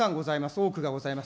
多くがございます。